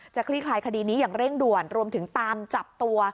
คลี่คลายคดีนี้อย่างเร่งด่วนรวมถึงตามจับตัว